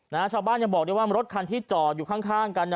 นะชาวบ้านยังบอกได้ว่ารถคันที่จอดอยู่ข้างกันเนี่ย